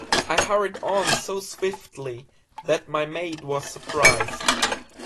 I hurried on so swiftly that my maid was surprised.